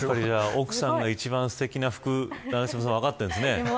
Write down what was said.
奥さんが、一番すてきな服分かってるんですね。